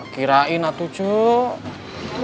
kira kira itu ceng